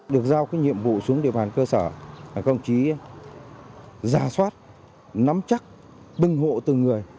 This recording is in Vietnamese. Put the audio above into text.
được giao cái nhiệm vụ xuống địa bàn cơ sở công trí giả soát nắm chắc đừng hộ từng người